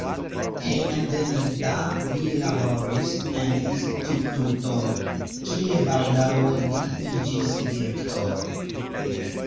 Hejmenveninta li laboris en instituto, kie baldaŭe li iĝis direktoro.